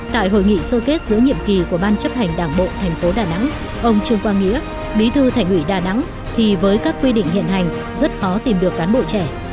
tại hội nghị sơ kết giữa nhiệm kỳ của ban chấp hành đảng bộ tp đà nẵng ông trương quang nghĩa bí thư thành ủy đà nẵng thì với các quy định hiện hành rất khó tìm được cán bộ trẻ